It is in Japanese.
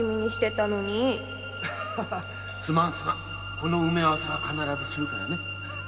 この埋め合わせは必ずするからね。